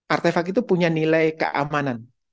artefak itu punya nilai keamanan